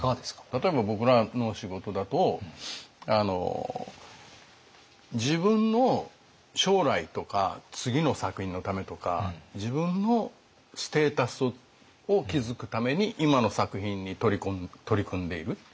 例えば僕らの仕事だとあの自分の将来とか次の作品のためとか自分のステータスを築くために今の作品に取り組んでいる。